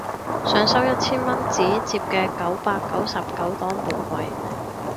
想收一千蚊紙摺嘅九百九十九朵玫瑰